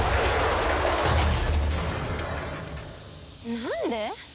なんで！？